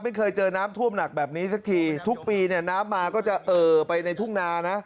ไม่เคยเจอน้ำท่วมหนักแบบนี้สักทีทุกปีเนี่ยน้ำมาก็จะเอ่อไปในทุ่งนานะ